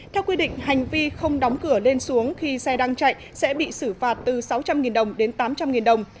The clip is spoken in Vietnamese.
theo quy định hành vi không đóng cửa lên xuống khi xe đang chạy sẽ bị xử phạt từ sáu trăm linh đồng đến tám trăm linh đồng